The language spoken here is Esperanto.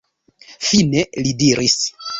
Fine li diris: